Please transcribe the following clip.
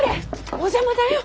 お邪魔だよ！